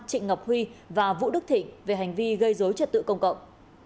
trịnh ngọc huy và vũ đức thịnh về hành vi gây dối trật tự công cộng